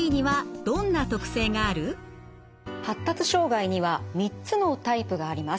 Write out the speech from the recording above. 発達障害には３つのタイプがあります。